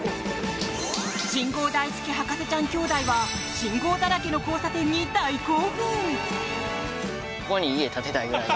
信号大好き博士ちゃん兄弟は信号だらけの交差点に大興奮！